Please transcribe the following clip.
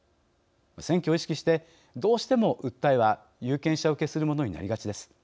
選挙を意識してどうしても訴えは有権者受けするものになりがちです。